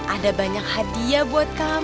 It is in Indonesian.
ada banyak hadiah buat kamu